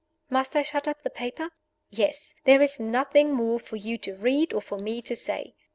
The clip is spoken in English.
Must I shut up the paper? Yes. There is nothing more for you to read or for me to say.